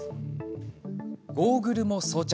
ゴーグルも装着。